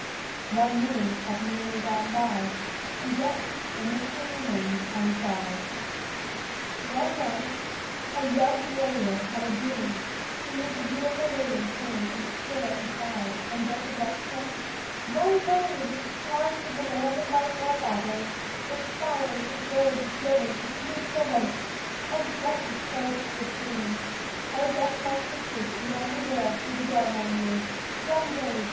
One moon had nearly gone by, and yet the mystery remained unsolved. One night a young warrior had a dream, in which a beautiful maiden came and stood at his side, and thus addressed him: "Young brave! charmed with the land of my forefathers, its flowers, its birds, its rivers, its beautiful lakes, and its mountains clothed with green, I have left my sisters in yonder world to dwell among you. Young brave!